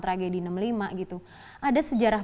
tragedi enam puluh lima gitu ada sejarah